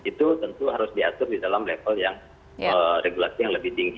itu tentu harus diatur di dalam level yang regulasi yang lebih tinggi